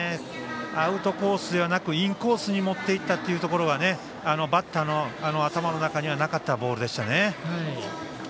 アウトコースではなくインコースに持っていったところがバッターの頭の中にはなかったボールでしたね。